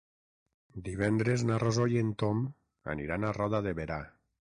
Divendres na Rosó i en Tom aniran a Roda de Berà.